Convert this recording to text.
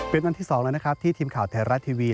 เป็นวันที่๒แล้วนะครับที่ทีมข่าวไทยรัฐทีวี